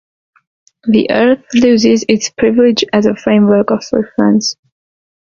The earth loses its privilege as a framework of reference.